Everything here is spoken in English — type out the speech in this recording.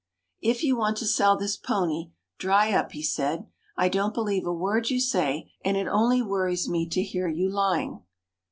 "If you want to sell this pony, dry up," he said. "I don't believe a word you say, and it only worries me to hear you lying."